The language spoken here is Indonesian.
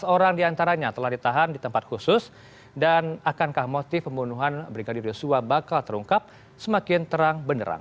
sebelas orang diantaranya telah ditahan di tempat khusus dan akankah motif pembunuhan brigadir yosua bakal terungkap semakin terang beneran